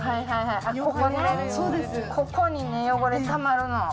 ここにね、汚れたまるの。